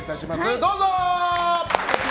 どうぞ！